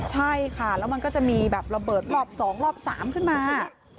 ใช่ค่ะแล้วมันก็จะมีแบบระเบิดรอบ๒รอบ๓ขึ้นมา